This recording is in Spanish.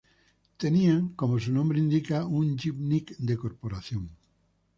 Tenían, como su nombre indica, un gimmick de corporación.